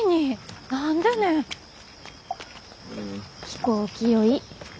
飛行機酔い。